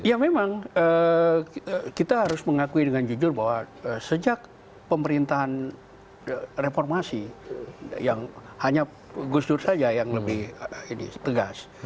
ya memang kita harus mengakui dengan jujur bahwa sejak pemerintahan reformasi yang hanya gus dur saja yang lebih tegas